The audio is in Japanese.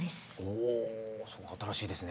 おお新しいですね。